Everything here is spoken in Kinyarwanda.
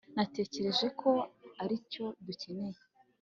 natekereje ko aricyo dukeneye